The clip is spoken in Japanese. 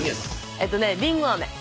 えっとねりんごあめ。